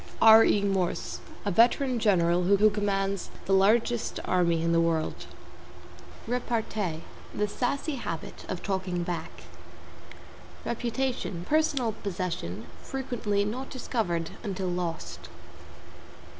=R.E. MORSE= A veteran General who commands the largest army in the world. =REPARTEE= The sassy habit of talking back. =REPUTATION= A personal possession, frequently not discovered until lost.